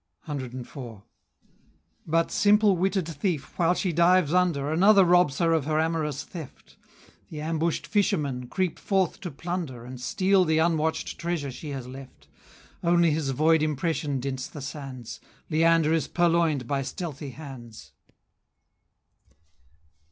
CIV. But, simple witted thief, while she dives under, Another robs her of her amorous theft; The ambush'd fishermen creep forth to plunder, And steal the unwatch'd treasure she has left; Only his void impression dints the sands; Leander is purloin'd by stealthy hands!